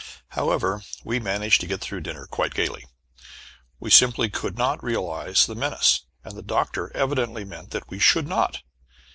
However, we managed to get through dinner quite gaily. We simply could not realize the menace, and the Doctor evidently meant that we should not.